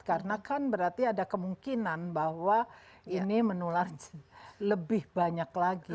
karena kan berarti ada kemungkinan bahwa ini menular lebih banyak lagi